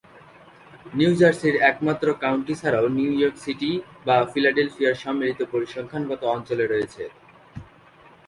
New জার্সির একমাত্র county ছাড়াও নিউ ইয়র্ক সিটি বা ফিলাডেলফিয়ার সম্মিলিত পরিসংখ্যানগত অঞ্চলে রয়েছে।